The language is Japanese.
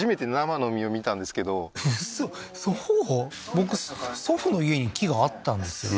僕祖父の家に木があったんですよね